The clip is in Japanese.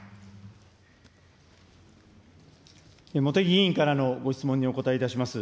茂木議員からのご質問にお答えいたします。